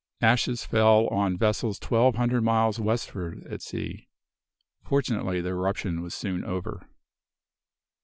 Ashes fell on vessels twelve hundred miles westward at sea. Fortunately the eruption was soon over.